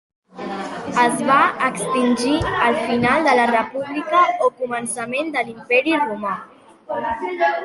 Es va extingir al final de la República o començament de l'Imperi Romà.